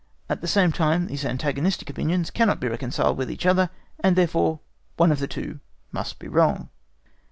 At the same time these antagonistic opinions cannot be reconciled with each other, and therefore one of the two must be wrong.